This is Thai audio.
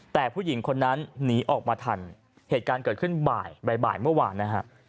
แต่ผู้หญิงคนนั้นหนีออกมาทันเหตุการณ์เกิดขึ้นบ่ายบ่ายเมื่อวานนะฮะ